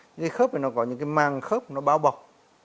những cái khớp này nó có những cái màng khớp nó bao bọc